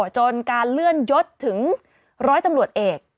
จนการเลื่อนยศถึงร้อยตำรวจเอก